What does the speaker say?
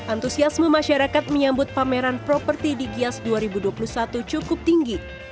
antusiasme masyarakat menyambut pameran properti di gias dua ribu dua puluh satu cukup tinggi